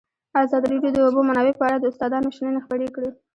ازادي راډیو د د اوبو منابع په اړه د استادانو شننې خپرې کړي.